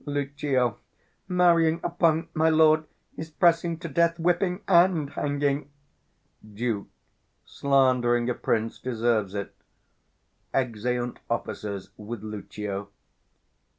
Lucio. Marrying a punk, my lord, is pressing to death, 520 whipping, and hanging. Duke. Slandering a prince deserves it. [_Exeunt Officers with Lucio.